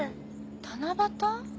七夕？